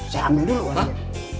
saya ambil dulu pak ustadz